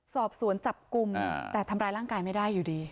สอบสวนจับกลุ่มแต่ทำร้ายร่างกายไม่ได้อยู่ดี